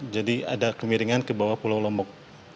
jadi ada kemiringan ke bawah pulau lombok